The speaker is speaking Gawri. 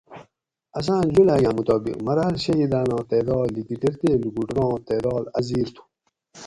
اساۤں جولاگ آۤں مطابق مۤراۤل شہیداۤناں تعداد لِکیٹیر تے لُکُٹور آں تعداد اۤ زِیر تھُو